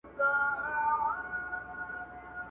هزارهګان د لوجستیک مسوولین